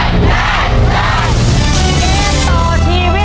ด้วยด้วยด้วย